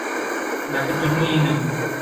ডাকের জন্যই এই নাম।